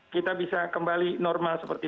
kita bisa kembali normal seperti